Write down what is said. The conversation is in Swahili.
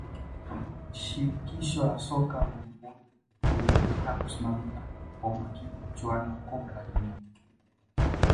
shirikisho la soka ulimwenguni liliendelea kusimamia kwa umakini michuano ya kombe la dunia